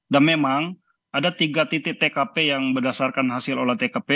dan memang ada tiga titik tkp yang berdasarkan hasil olah tkp